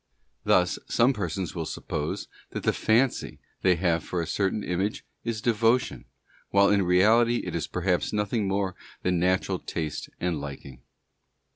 Thus, some persons will suppose that the fancy. they have for a certain image is devotion, while in reality it is perhaps nothing more than natural taste and liking.